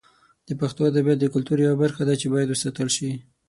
د پښتو ادبیات د کلتور یوه برخه ده چې باید وساتل شي.